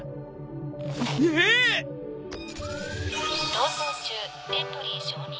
逃走中エントリー承認。